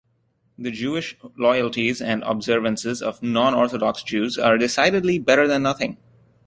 The Jewish loyalties and observances of non-Orthodox Jews are decidedly better than nothing...